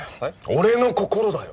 俺の心だよ！